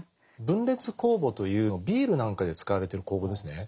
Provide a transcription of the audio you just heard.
分裂酵母というビールなんかで使われてる酵母ですね。